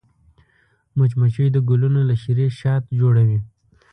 مچمچۍ د ګلونو له شيرې شات جوړوي